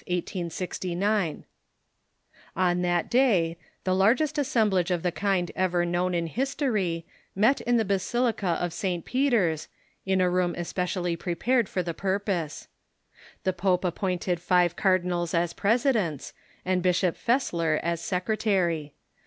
398 THE MODERN CHURCH On that day the largest assemblage of the kind ever known in history met in the basilica of St. Peter's, in a room especial ly prepared for the purpose. The pope appointed five cardinals as presidents, and Bishop Fessler as secretary.